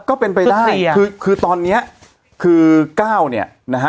ก็เป็นไปได้คือคือตอนเนี้ยคือก้าวเนี่ยนะฮะ